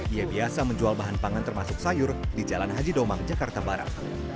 ia biasa menjual bahan pangan termasuk sayur di jalan haji domang jakarta barat